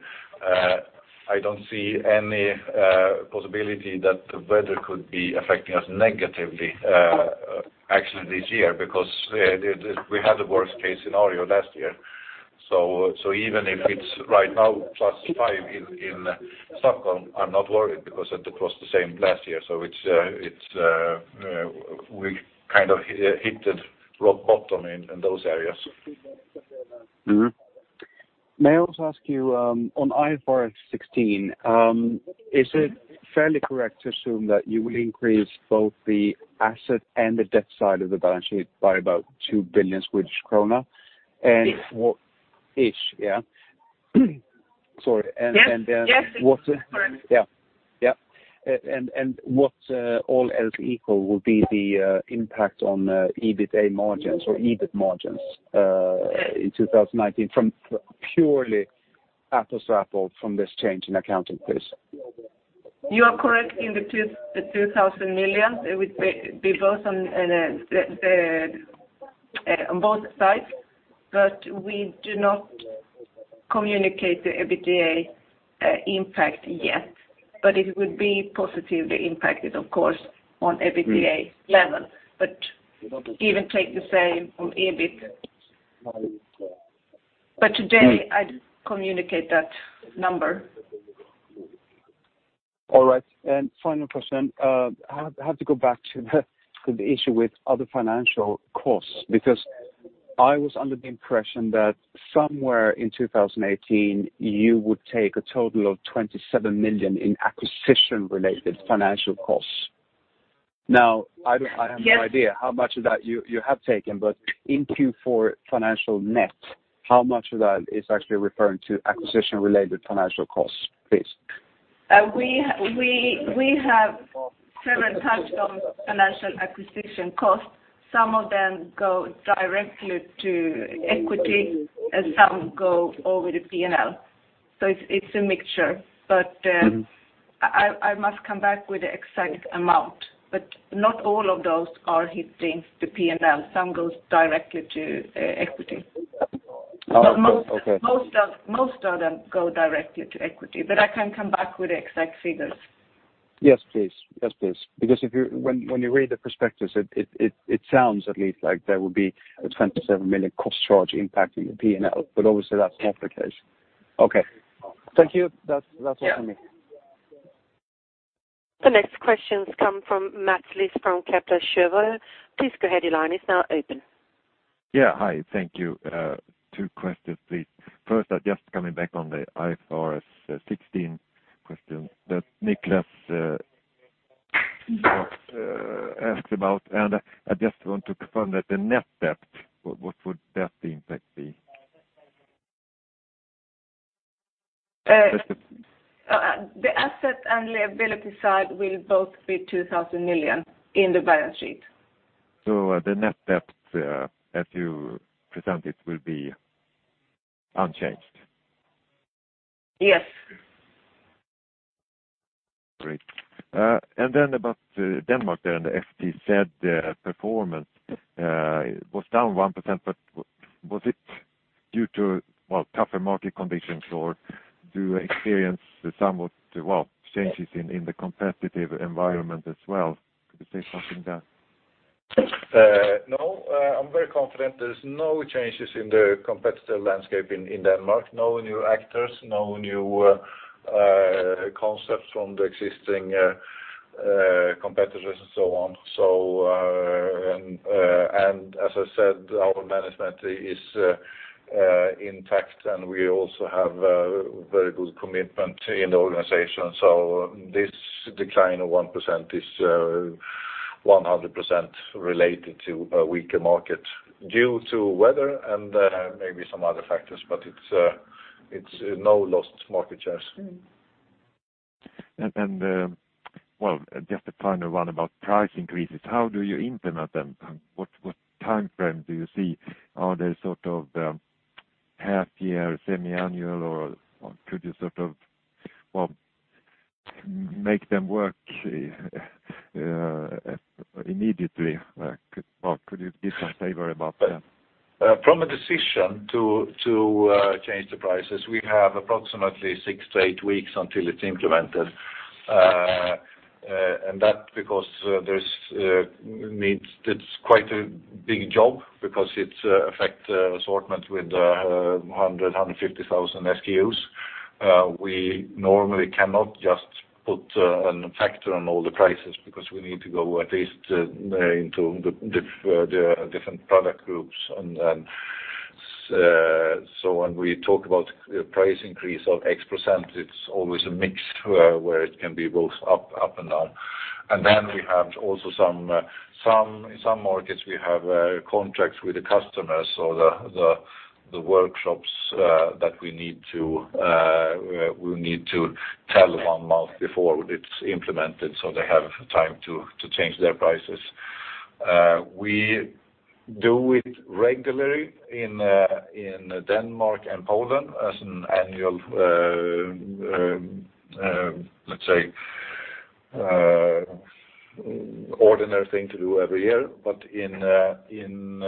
B: I don't see any possibility that the weather could be affecting us negatively, actually this year, because we had the worst-case scenario last year. Even if it's right now plus five in Stockholm, I'm not worried because it was the same last year. We kind of hit rock bottom in those areas.
D: Mm-hmm. May I also ask you, on IFRS 16, is it fairly correct to assume that you will increase both the asset and the debt side of the balance sheet by about two billion Swedish krona?
C: Ish.
D: Ish, yeah. Sorry.
C: Yes, it is correct.
D: Yeah. What all else equal will be the impact on EBITA margins or EBIT margins in 2019 from purely apples to apples from this change in accounting, please?
C: You are correct in the 2,000 million. It would be both on both sides, we do not communicate the EBITDA impact yet, it would be positively impacted, of course, on EBITDA level. Give and take the same on EBIT. Today, I communicate that number.
D: All right. Final question. I have to go back to the issue with other financial costs, because I was under the impression that somewhere in 2018, you would take a total of 27 million in acquisition-related financial costs. Now, I have no idea how much of that you have taken, in Q4 financial net, how much of that is actually referring to acquisition-related financial costs, please?
C: We have several types of financial acquisition costs. Some of them go directly to equity and some go over the P&L. It's a mixture. I must come back with the exact amount, but not all of those are hitting the P&L. Some goes directly to equity. Okay. Most of them go directly to equity, but I can come back with the exact figures.
D: Yes, please. When you read the prospectus, it sounds at least like there will be a 27 million cost charge impact in your P&L, but obviously that's not the case. Okay. Thank you. That's all from me.
C: Yeah.
A: The next questions come from Mats Liss from Kepler Cheuvreux. Please go ahead, your line is now open.
F: Yeah. Hi, thank you. Two questions, please. First, just coming back on the IFRS 16 question that Niklas asked about, I just want to confirm that the net debt, what would that impact be?
C: The asset and liability side will both be 2,000 million in the balance sheet.
F: The net debt, as you present it, will be unchanged?
C: Yes.
F: Great. About Denmark there, the FTZ performance was down 1%. Was it due to tougher market conditions or do you experience somewhat changes in the competitive environment as well? Could you say something there?
B: No, I'm very confident there's no changes in the competitor landscape in Denmark. No new actors, no new concepts from the existing competitors and so on. As I said, our management is intact, and we also have very good commitment in the organization. This decline of 1% is 100% related to a weaker market due to weather and maybe some other factors, it's no lost market shares.
F: Just a final one about price increases. How do you implement them? What timeframe do you see? Are they sort of half year, semi-annual, or could you sort of make them work immediately? Could you give some flavor about that?
B: From a decision to change the prices, we have approximately six to eight weeks until it's implemented. That because it's quite a big job because it affect the assortment with 100,000, 150,000 SKUs. We normally cannot just put a factor on all the prices because we need to go at least into the different product groups. When we talk about price increase of X%, it's always a mix where it can be both up and down. We have also in some markets, we have contracts with the customers or the workshops that we need to tell one month before it's implemented so they have time to change their prices. We do it regularly in Denmark and Poland as an annual, let's say, ordinary thing to do every year. In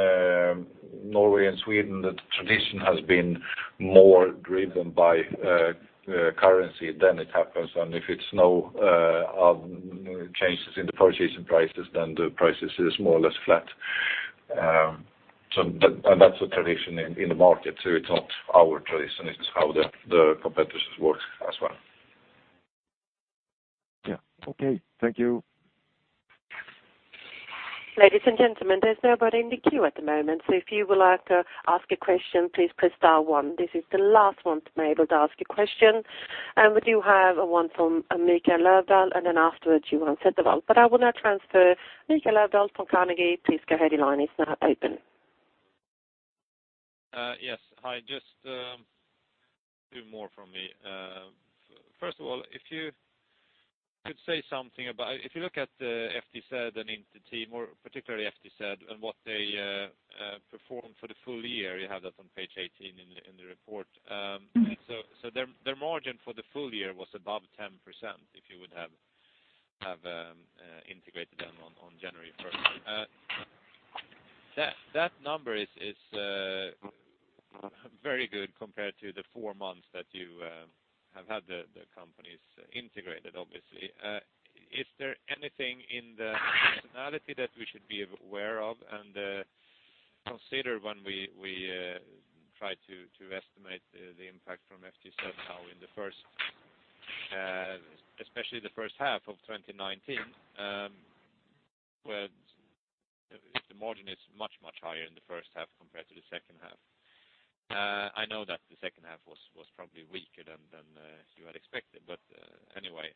B: Norway and Sweden, the tradition has been more driven by currency than it happens. If it's no changes in the purchasing prices, then the prices is more or less flat. That's a tradition in the market too. It's not our tradition. It's how the competitors work as well.
F: Yeah. Okay. Thank you.
A: Ladies and gentlemen, there's nobody in the queue at the moment, so if you would like to ask a question, please press star one. This is the last one to be able to ask a question, and we do have one from Mikael Löfdahl, and then afterwards you want Sandoval. I will now transfer Mikael Löfdahl from Carnegie. Please go ahead, your line is now open.
G: Yes. Hi, just two more from me. First of all, if you could say something about if you look at the FTZ and Inter-Team, more particularly FTZ and what they perform for the full year, you have that on page 18 in the report. Their margin for the full year was above 10%, if you would have integrated them on January 1st. That number is very good compared to the four months that you have had the companies integrated, obviously. Is there anything in the personality that we should be aware of and consider when we try to estimate the impact from FTZ in the first, especially the H1 of 2019, where the margin is much, much higher in the H1 compared to the H2? I know that the H2 was probably weaker than you had expected, anyway.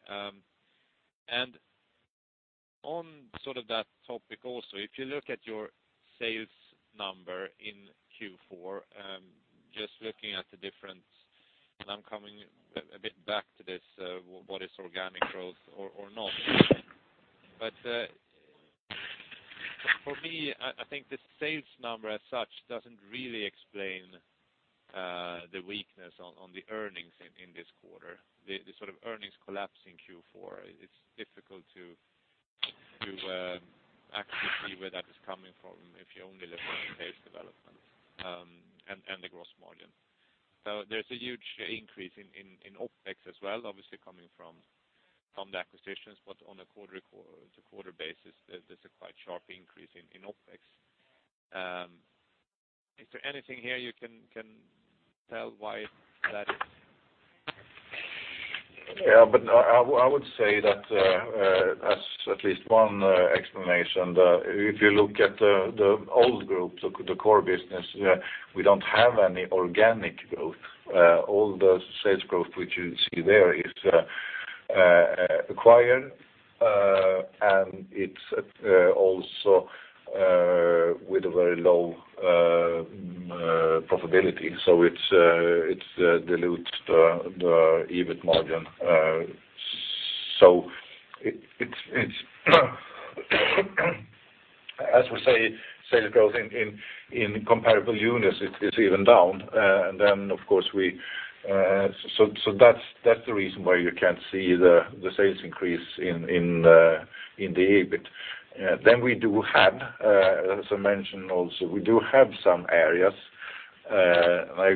G: On sort of that topic also, if you look at your sales number in Q4, just looking at the difference, I am coming a bit back to this what is organic growth or not. For me, I think the sales number as such doesn't really explain the weakness on the earnings in this quarter. The sort of earnings collapse in Q4, it's difficult to actually see where that is coming from if you only look at the sales development and the gross margin. There's a huge increase in OpEx as well, obviously coming from the acquisitions, but on a quarter basis, there's a quite sharp increase in OpEx. Is there anything here you can tell why that is?
B: I would say that as at least one explanation that if you look at the old group, the core business, we don't have any organic growth. All the sales growth which you see there is acquired, and it's also with a very low profitability. It dilutes the EBIT margin. As we say, sales growth in comparable units, it's even down. That's the reason why you can't see the sales increase in the EBIT. We do have, as I mentioned also, we do have some areas, and I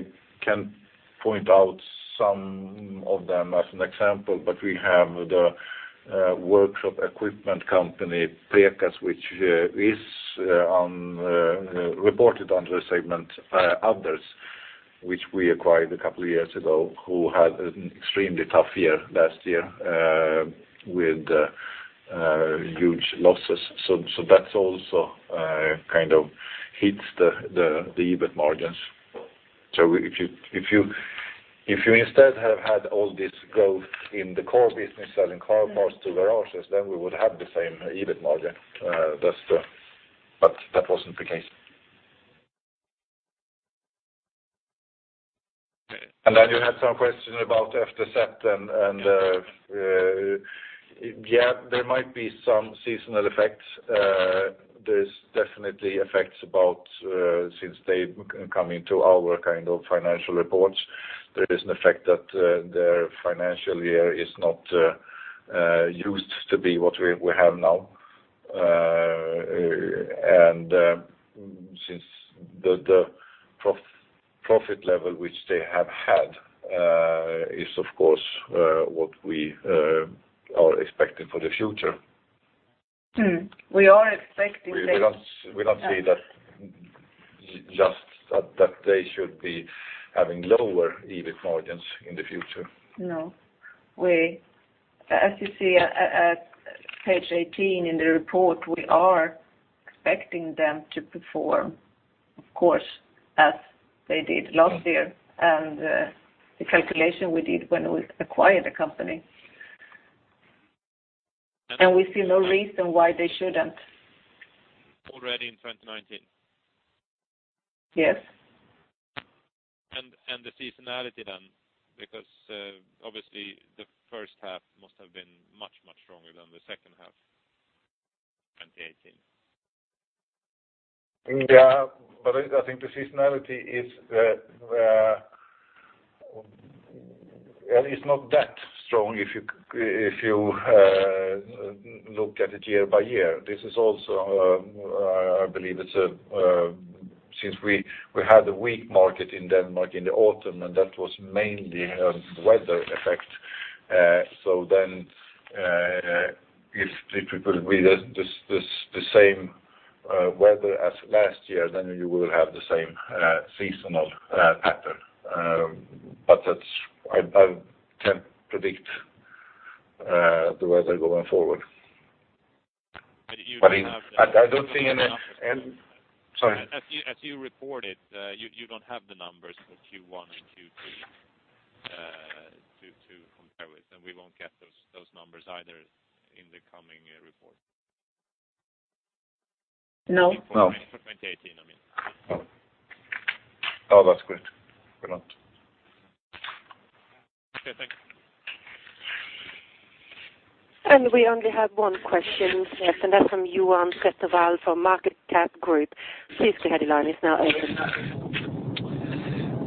B: can point out some of them as an example, but we have the workshop equipment company, Preqas, which is reported under the segment others, which we acquired a couple of years ago, who had an extremely tough year last year with huge losses. That also kind of hits the EBIT margins. If you instead have had all this growth in the core business selling car parts to garages, then we would have the same EBIT margin, but that wasn't the case. You had some question about FTZ, there might be some seasonal effects. There's definitely effects about, since they come into our kind of financial reports, there is an effect that their financial year is not used to be what we have now. Since the profit level which they have had is, of course, what we are expecting for the future.
C: We are expecting.
B: We don't see that just that they should be having lower EBIT margins in the future.
C: No. As you see at page 18 in the report, we are expecting them to perform, of course, as they did last year, and the calculation we did when we acquired the company. We see no reason why they shouldn't.
G: Already in 2019?
C: Yes.
G: The seasonality then, because obviously the H1 must have been much stronger than the H2, 2018.
B: I think the seasonality is not that strong if you look at it year by year. This is also, I believe it's since we had a weak market in Denmark in the autumn, and that was mainly a weather effect. If it will be the same weather as last year, then you will have the same seasonal pattern. I can't predict the weather going forward. I don't see any Sorry.
G: As you reported, you don't have the numbers for Q1 and Q3 to compare with, and we won't get those numbers either in the coming report.
C: No.
G: No. For 2018, I mean.
B: Oh, that's correct. We don't.
G: Okay, thanks.
A: We only have one question left, and that's from Johan Settewall from Market Cap Group. Please get your line is now open.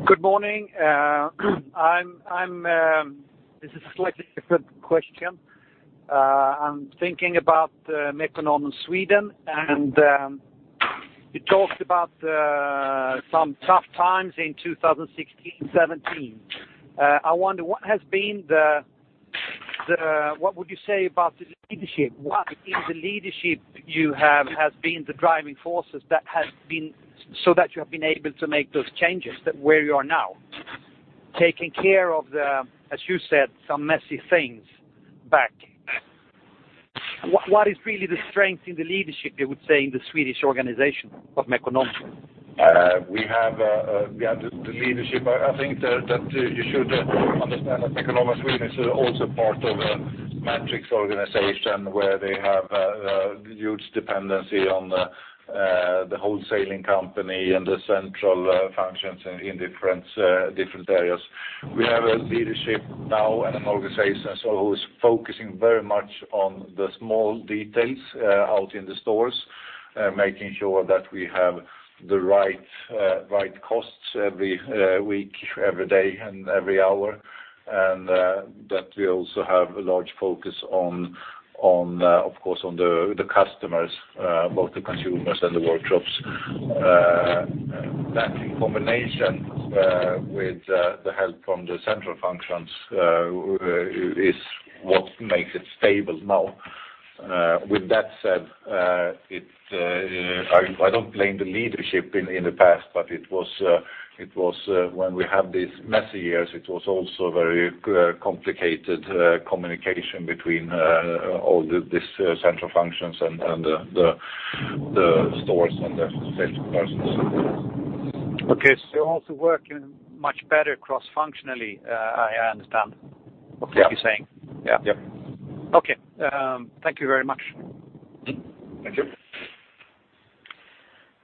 H: Good morning. This is a slightly different question. I'm thinking about Mekonomen Sweden, you talked about some tough times in 2016-2017. I wonder, what would you say about the leadership? What in the leadership you have has been the driving forces so that you have been able to make those changes that where you are now, taking care of the, as you said, some messy things back. What is really the strength in the leadership, you would say, in the Swedish organization of Mekonomen?
B: I think that you should understand that Mekonomen Sweden is also part of a matrix organization where they have a huge dependency on the wholesaling company and the central functions in different areas. We have a leadership now and an organization who is focusing very much on the small details out in the stores, making sure that we have the right costs every week, every day, and every hour, and that we also have a large focus, of course, on the customers, both the consumers and the workshops. In combination with the help from the central functions is what makes it stable now. With that said, I don't blame the leadership in the past, when we had these messy years, it was also very complicated communication between all these central functions and the stores and the salespersons.
H: Okay. You're also working much better cross-functionally, I understand what you're saying.
B: Yeah.
H: Okay. Thank you very much.
B: Thank you.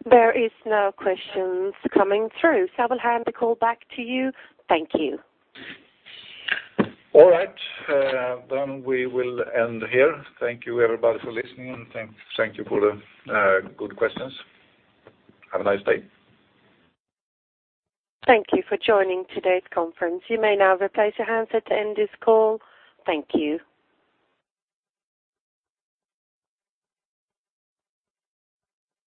A: There is no questions coming through. I will hand the call back to you. Thank you.
B: All right. We will end here. Thank you everybody for listening, and thank you for the good questions. Have a nice day.
A: Thank you for joining today's conference. You may now replace your handset to end this call. Thank you.